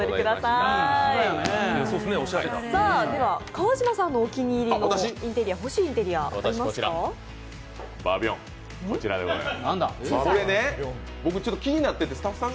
川島さんのお気に入り、欲しいインテリアはありますか？